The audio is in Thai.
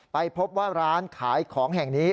ไปพบว่าร้านขายของแห่งนี้